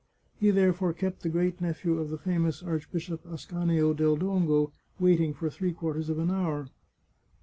He therefore kept the great nephew of the famous Archbishop Ascanio del Dongo waiting for three quarters of an hour.